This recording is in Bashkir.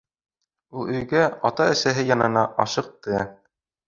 Ул өйгә, ата-әсәһе янына, ашыҡты.